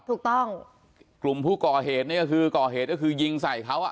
ถูกต้องกลุ่มผู้ก่อเหตุนี่ก็คือก่อเหตุก็คือยิงใส่เขาอ่ะ